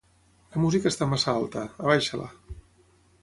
La música està massa alta, abaixa-la.